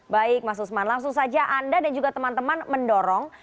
baik mas usman langsung saja anda dan juga teman teman mendorong